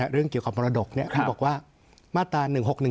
เรื่องเกี่ยวกับมรดกที่บอกว่ามาตรา๑๖๑